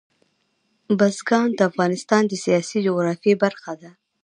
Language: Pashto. بزګان د افغانستان د سیاسي جغرافیه برخه ده.